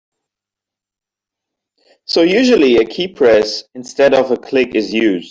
So usually a keypress instead of a click is used.